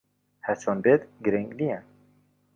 ھەر چۆن بێت، گرنگ نییە.